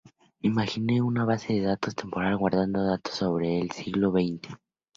Imagine una base de datos temporal guardando datos sobre el siglo veinte.